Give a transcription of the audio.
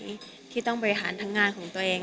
ที่ต้องบริหารทั้งงานของตัวเอง